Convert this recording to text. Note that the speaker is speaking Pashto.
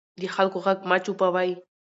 د خلکو غږ مه چوپوئ